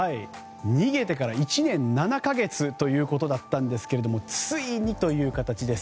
逃げてから１年７か月ということでしたがついにという形です。